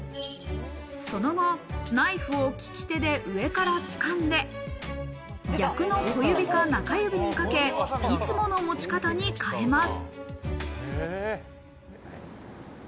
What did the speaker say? その後、ナイフを利き手で上からつかんで、逆の小指か中指にかけ、いつもの持ち方に変えます。